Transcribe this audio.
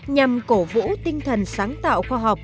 nhằm cổ vũ tinh thần sáng tạo khoa học